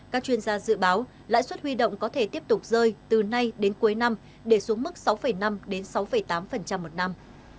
các chuyên gia dự báo lãi suất huy động có thể tiếp tục rơi từ nay đến cuối năm để xuống mức sáu năm đến sáu tám một năm